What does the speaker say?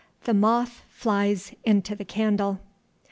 THE MOTH FLIES INTO THE CANDLE.